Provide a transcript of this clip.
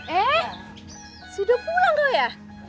eh sudah pulang loh ya